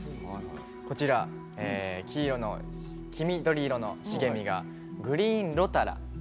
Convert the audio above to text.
こちら、黄緑色の茂みがグリーンロタラ。